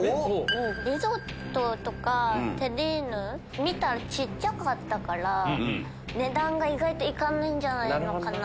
リゾットとかテリーヌ見たら小っちゃかったから値段が意外といかないんじゃないかな。